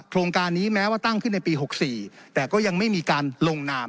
โครงการนี้แม้ว่าตั้งขึ้นในปี๖๔แต่ก็ยังไม่มีการลงนาม